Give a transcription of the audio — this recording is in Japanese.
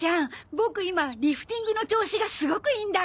ボク今リフティングの調子がすごくいいんだ。